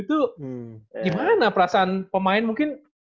itu gimana perasaan pemain mungkin